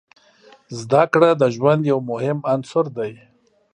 زده کړه د ژوند یو مهم عنصر دی.